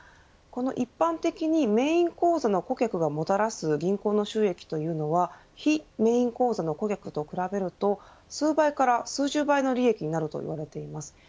一般的にメイン口座の顧客がもたらす銀行の収益というのは非メイン口座の顧客と比べると数倍から数十倍の利益になるといわれています。